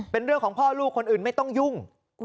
เป็นเรื่องของพ่อลูกคนอื่นไม่ต้องยุ่ง